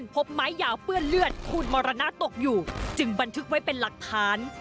พบไม้ยาวเปื้อนเลือดขูดมรณะตกอยู่จึงบันทึกไว้เป็นหลักฐาน